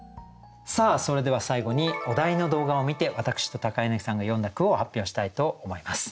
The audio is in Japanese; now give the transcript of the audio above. それでは最後にお題の動画を観て私と柳さんが詠んだ句を発表したいと思います。